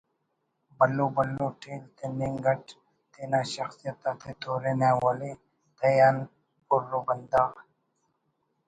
بھلو بھلو ٹیل تننگ اٹ تینا شخصیت آتے تورنہ ولے تہہ آن پُر ءُ بندغ